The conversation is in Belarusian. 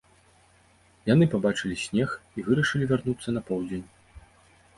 Яны пабачылі снег і вырашылі вярнуцца на поўдзень.